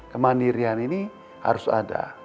kemandirian ini harus ada